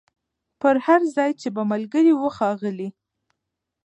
پر هر ځای چي به ملګري وه ښاغلي